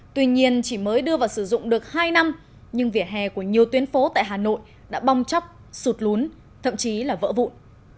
tuy nhiên chỉ mới đưa vào sử dụng được hai năm nhưng vỉa hè của nhiều tuyến phố tại hà nội đã bong chóc sụt lún thậm chí là vỡ vụn